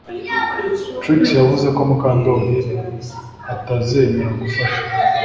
Trix yavuze ko Mukandoli atazemera gufasha